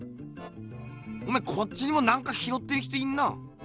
おめぇこっちにもなんか拾ってる人いんな。